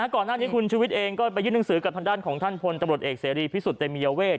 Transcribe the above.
ก่อนหน้านี้คุณชุวิตเองก็ไปยื่นหนังสือกับทางด้านของท่านพลตำรวจเอกเสรีพิสุทธิเตมียเวท